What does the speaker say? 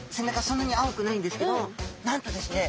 そんなに青くないんですけどなんとですね